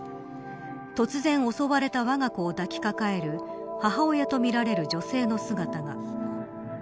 突然襲われたわが子を抱き抱える母親とみられる女性の姿が。